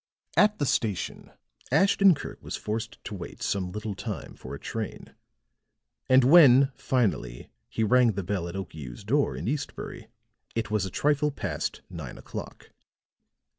At the station Ashton Kirk was forced to wait some little time for a train; and when, finally, he rang the bell at Okiu's door in Eastbury, it was a trifle past nine o'clock.